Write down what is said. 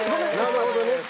なるほどね。